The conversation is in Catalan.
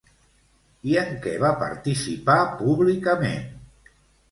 I en què va participar públicament?